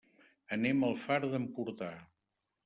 Anem al Far d'Empordà.